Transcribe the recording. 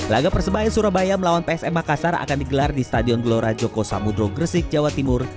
laga persebaya surabaya melawan psm makassar akan digelar di stadion gelora joko samudro gresik jawa timur